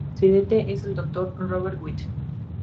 Su presidente es el Dr. Roberto Witt.